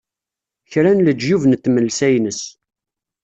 kra n leǧyub n tmelsa-ines.